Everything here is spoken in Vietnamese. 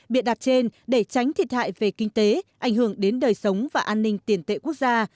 biện đặt trên để tránh thiệt hại về kinh tế ảnh hưởng đến đời sống và an ninh tiền tệ quốc gia